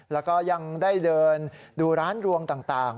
แล้วก็ยังได้เดินดูร้านรวงต่าง